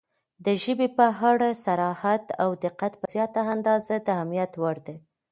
• د ژبې په اړه صراحت او دقت په زیاته اندازه د اهمیت وړ دی.